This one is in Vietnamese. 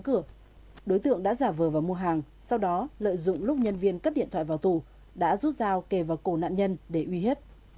huy hiếp nhân viên cửa hàng sau đó lợi dụng lúc nhân viên cất điện thoại vào tù đã rút giao kề vào cổ nạn nhân để huy hiếp